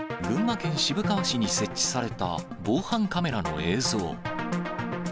群馬県渋川市に設置された防犯カメラの映像。